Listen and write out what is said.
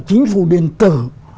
chính phủ điện tử